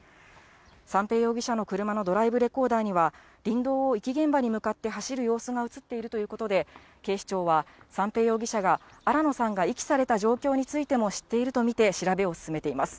三瓶容疑者の車のドライブレコーダーには、林道を遺棄現場に向かって走る様子が写っているということで、警視庁は、三瓶容疑者が新野さんが遺棄された状況についても知っていると見て、調べを進めています。